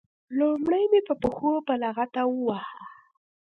لومړی مې په پښو په لغته وواهه.